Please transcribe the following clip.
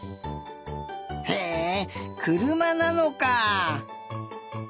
へえくるまなのか。